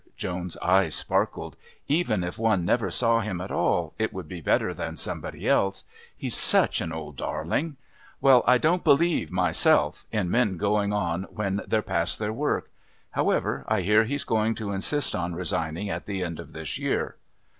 Joan's eyes sparkled. "Even if one never saw him at all it would be better than somebody else. He's such an old darling." "Well, I don't believe myself in men going on when they're past their work. However, I hear he's going to insist on resigning at the end of this year."